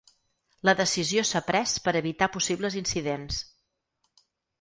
La decisió s’ha pres per evitar possibles incidents.